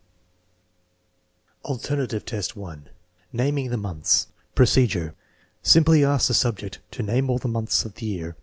IX, Alternative test 1 : naming the months Procedure. Simply ask the subject to "name all the months of the year."